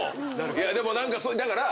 いやでも何かだから。